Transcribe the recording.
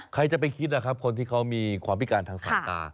ใครจะไปคิดนะครับคนที่เขามีความพิการทางสายตา